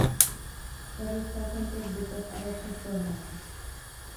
Svedl celkem pět bitev a ve všech prohrál.